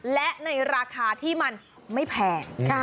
และในราคาที่มันไม่แพง